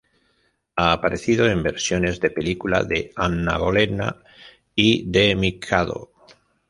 Ha aparecido en versiones de película de "Anna Bolena" y "The Mikado".